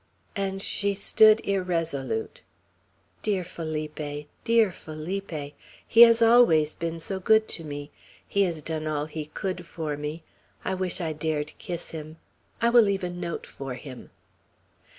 and she stood irresolute. "Dear Felipe! Dear Felipe! He has always been so good to me! He has done all he could for me. I wish I dared kiss him. I will leave a note for him."